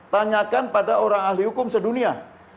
tanyakan pada orang ahli hukum sedunia